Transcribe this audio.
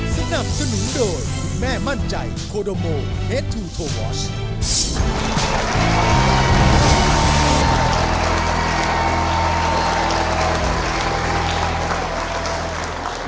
สนับสนุนโดยคุณแม่มั่นใจโคโดโมเฮดทูโทวอช